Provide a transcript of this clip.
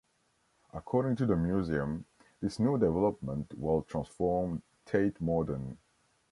According to the museum: This new development will transform Tate Modern.